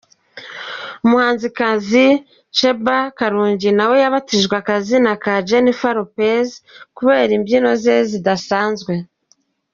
Umuhanzikazi Sheebah karungi nawe yabatijwe akazina ka Jennifer Lopez kubera imbyino ze zidasanzwe .